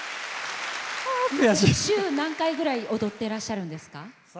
週に何回ぐらい踊っていらっしゃるんですか？